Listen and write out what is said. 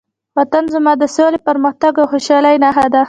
وطن زموږ د سولې، پرمختګ او خوشحالۍ نښه ده.